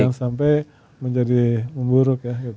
jangan sampai menjadi memburuk ya